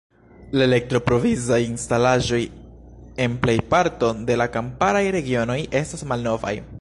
La elektroprovizaj instalaĵoj en plejparto de la kamparaj regionoj estas malnovaj.